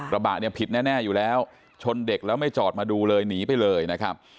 กระบะเนี่ยผิดแน่อยู่แล้วชนเด็กแล้วไม่จอดมาดูเลยหนีไปเลยนะครับ